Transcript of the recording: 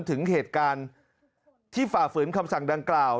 ถึงเหตุการณ์ที่ฝ่าฝืนคำสั่งดังกล่าว